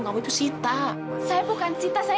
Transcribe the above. kamu itu sita